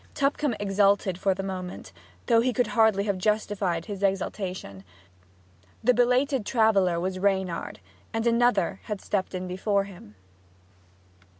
Tupcombe exulted for the moment, though he could hardly have justified his exultation. The belated traveller was Reynard; and another had stepped in before him.